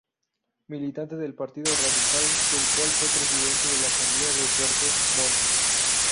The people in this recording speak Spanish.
Militante del Partido Radical, del cual fue presidente de la asamblea de Puerto Montt.